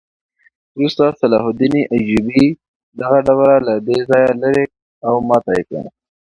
وروسته سلطان صلاح الدین ایوبي دغه ډبره له دې ځایه لرې او ماته کړه.